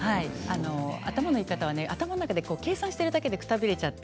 頭のいい方はね頭の中で計算しているだけでくたびれちゃって。